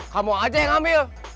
kamu aja yang ngambil